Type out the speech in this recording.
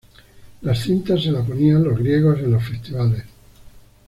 Las cintas se las ponían los griegos en los festivales.